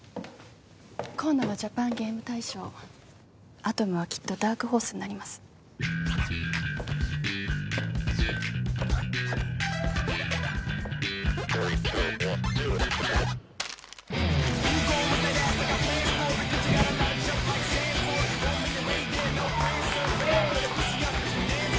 今度のジャパンゲーム大賞アトムはきっとダークホースになりますイエーイ！